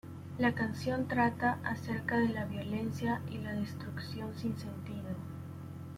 La canción trata acerca de la violencia y la destrucción sin sentido.